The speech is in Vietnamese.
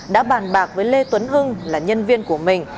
đã bàn bạc với lê tuấn hưng là nhân viên của mình